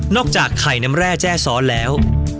จากไข่น้ำแร่แจ้ซ้อนแล้ว